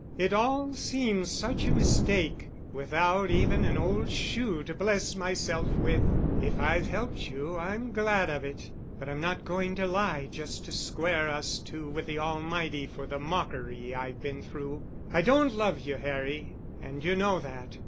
It all seems such a mistake—without even an old shoe to bless myself with. If I've helped you I'm glad of it. But I'm not going to lie just to square us two with the Almighty for the mockery I've been through. I don't love you, Harry, and you know that.